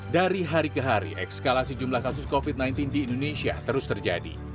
dari hari ke hari ekskalasi jumlah kasus covid sembilan belas di indonesia terus terjadi